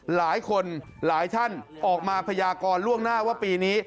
หลายคนหลายท่านออกมาพยากรล่วงหน้าว่าปีนี้